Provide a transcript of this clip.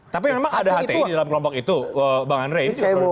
tapi memang ada hti di dalam kelompok itu